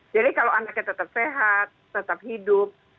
jadi kalau anaknya tetap sehat tetap hidup